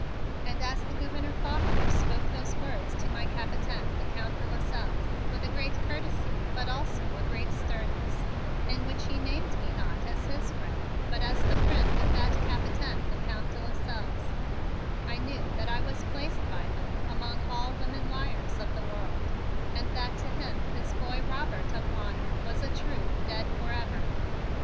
And as the Gouverneur Faulkner spoke those words to my Capitaine, the Count de Lasselles, with a great courtesy but also a great sternness, in which he named me not as his friend but as the friend of that Capitaine, the Count de Lasselles, I knew that I was placed by him among all women liars of the world and that to him his boy Robert of honor was of a truth dead forever.